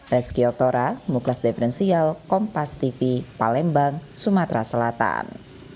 rezeki oktora muklas deferensial kompas tv palembang sumatera selatan